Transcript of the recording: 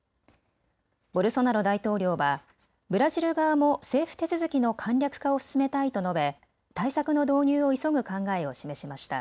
ボルソナロ大統領はブラジル側も政府手続きの簡略化を進めたいと述べ対策の導入を急ぐ考えを示しました。